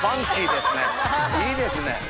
いいですね。